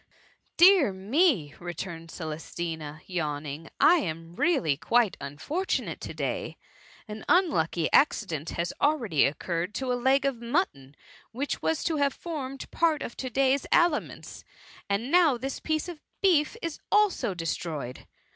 *" Dear me !^ returned Celestina, yawning, I am really quite unfortunate to day ! An un lucky accident has already occurred to a leg of 6i 1S6 THE MUMMT. mutton which was to have formed part of to day^s aliments ; and now this piece of beef is also destroyed.